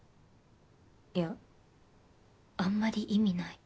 いやあんまり意味ない。